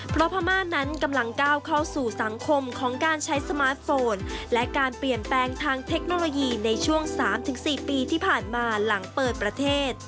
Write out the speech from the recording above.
เพราะพม่านั้นกำลังก้าวเข้าสู่สังคมของการใช้สมาร์ทโฟนและการเปลี่ยนแปลงทางเทคโนโลยีในช่วง๓๔ปีที่ผ่านมาหลังเปิดประเทศ